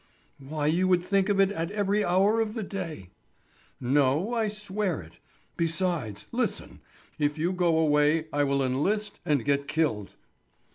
"Why you would think of it at every hour of the day." "No, I swear it. Besides, listen, if you go away I will enlist and get killed."